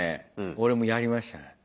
俺もやりましたね。